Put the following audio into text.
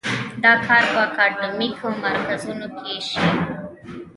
دا کار په اکاډیمیکو مرکزونو کې شي.